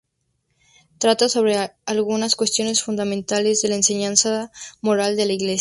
Trata sobre algunas cuestiones fundamentales de la Enseñanza Moral de la Iglesia.